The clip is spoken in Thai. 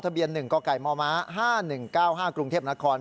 เบียน๑กกม๕๑๙๕กรุงเทพนคร